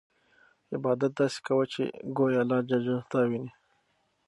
عبادت داسې کوه چې ګویا اللهﷻ تا ویني.